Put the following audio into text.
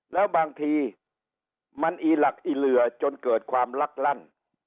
แล้วบางทีมันอีหลักอีเหลือจนเกิดความลักลั่น